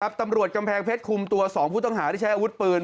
ตำรวจกำแพงเพชรคุมตัว๒ผู้ต้องหาที่ใช้อาวุธปืน